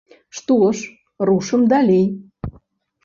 Што ж, рушым далей.